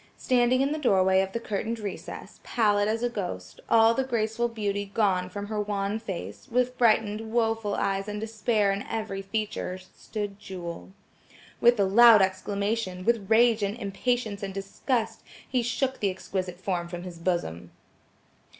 Standing in the doorway of the curtained recess, pallid as a ghost, all the graceful beauty gone from her wan face, with frightened woful eyes and despair in every feature, stood Jewel. With a loud exclamation, with rage and impatience and disgust, he shook the exquisite form from his bosom.